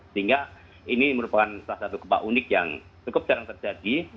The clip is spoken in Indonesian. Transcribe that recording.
sehingga ini merupakan salah satu gempa unik yang cukup jarang terjadi